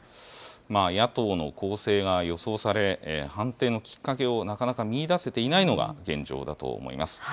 野党の攻勢が予想され、反転のきっかけをなかなか見いだせていないのが現状だと思います。